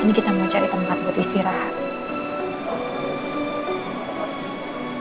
ini kita mau cari tempat buat istirahat